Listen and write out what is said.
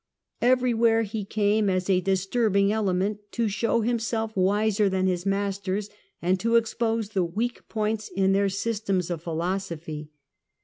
Everywhere he came as a disturbing element, to show himself wiser than his masters and to expose the weak points in their systems of philosophy.